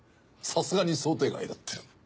さすがに想定外だったよ。